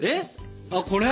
あっこれ？